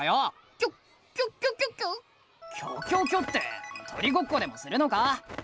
キョキョキョって鳥ごっこでもするのか？